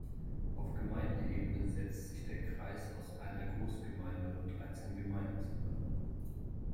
Auf Gemeindeebene setzt sich der Kreis aus einer Großgemeinde und dreizehn Gemeinden zusammen.